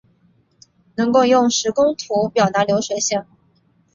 能够用时空图表达流水线